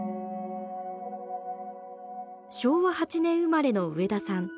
昭和８年生まれの植田さん。